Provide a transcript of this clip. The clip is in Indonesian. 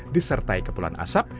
disertai kepulauan asap